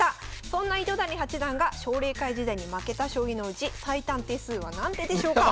そんな糸谷八段が奨励会時代に負けた将棋のうち最短手数は何手でしょうか？